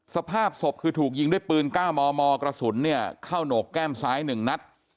สภาพศพคือถูกยิงด้วยปืน๙มมกระสุนเนี่ยเข้าโหนกแก้มซ้าย๑นัด